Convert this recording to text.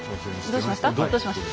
どうしました？